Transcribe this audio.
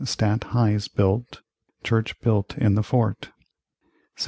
Stadt Huys built Church built in the Fort 1643.